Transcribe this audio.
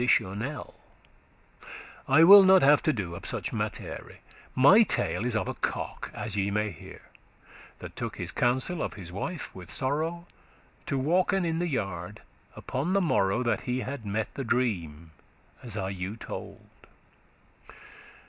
not at all* I will not have to do of such mattere; My tale is of a cock, as ye may hear, That took his counsel of his wife, with sorrow, To walken in the yard upon the morrow That he had mette the dream, as I you told.